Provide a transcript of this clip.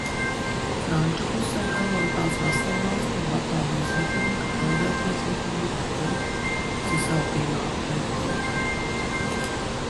Franču pusē karoja tās vasaļvalstis Batāvijas Republika, Helvētijas Republika un Cisalpīnā Republika.